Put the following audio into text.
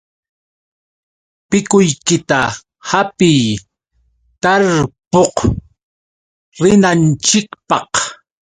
Pikuykita hapiy, tarpuq rinanchikpaq.